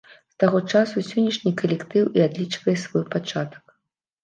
З таго часу сённяшні калектыў і адлічвае свой пачатак.